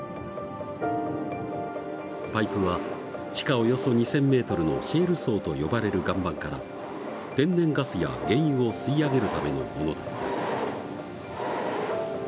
パイプは地下およそ２，０００メートルのシェール層と呼ばれる岩盤から天然ガスや原油を吸い上げるためのものだった。